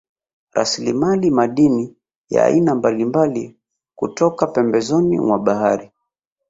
Rasilimali madini ya aina mbalimbali kutoka pembezoni mwa bahari